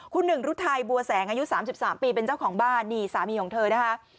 คุณหนึ่งรุทัยบัวแสงอายุ๓๓ปีเป็นเจ้าของบ้านนี่สามีของเธอนะคะ